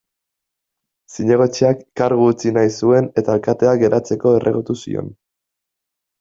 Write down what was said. Zinegotziak kargu utzi nahi zuen eta alkateak geratzeko erregutu zion.